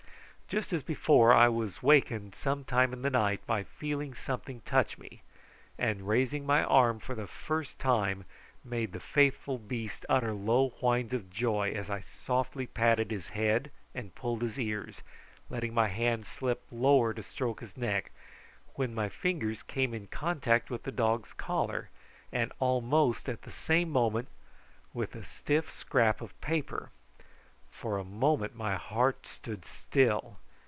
Just as before I was wakened some time in the night by feeling something touch me, and raising my arm for the first time made the faithful beast utter low whines of joy as I softly patted his head and pulled his ears, letting my hand slip lower to stroke his neck, when my fingers came in contact with the dog's collar, and almost at the same moment with a stiff scrap of paper. For a moment my heart stood still.